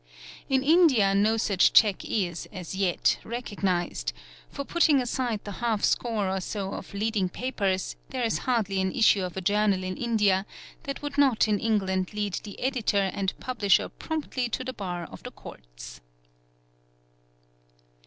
In India no such check is, as yet, | recognised ; for, putting aside the half score or so of leading papers, there | is hardly an issue of a journal in India that would not in England lead © the Editor and Publisher promptly to the bar of the Courts.